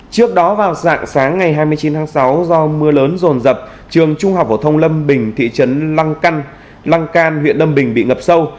trước đó vào dạng sáng ngày hai mươi chín tháng sáu do mưa lớn rồn rập trường trung học phổ thông lâm bình thị trấn lăng căn lăng can huyện lâm bình bị ngập sâu